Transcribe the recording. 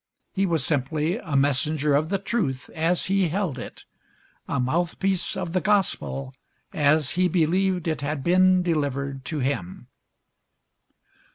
He was simply a messenger of the truth as he held it, a mouthpiece of the gospel as he believed it had been delivered to him.